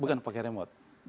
bukan pakai remote